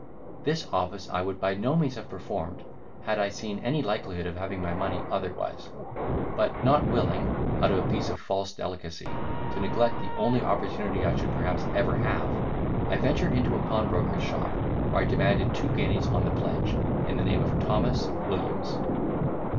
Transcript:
This office I would by no means have performed, had I seen any likelihood of having my money otherwise; but not willing, out of a piece of false delicacy, to neglect the only opportunity I should perhaps ever have, I ventured into a pawnbroker's shop, where I demanded two guineas on the pledge, in the name of Thomas Williams.